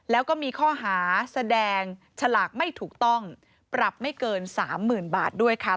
แล้วก็มีข้อหาแสดงฉลากไม่ถูกต้องปรับไม่เกิน๓๐๐๐บาทด้วยค่ะ